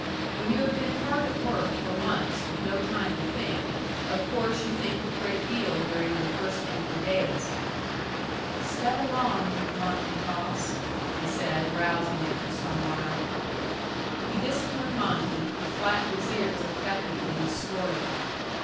When you have been hard at work for months with no time to think, of course you think a great deal during your first empty days. "Step along, you Monte hawss!" he said, rousing after some while. He disciplined Monte, who flattened his ears affectedly and snorted.